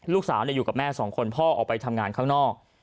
ลูกสาวอยู่กับแม่สองคนพ่อออกไปทำงานข้างนอก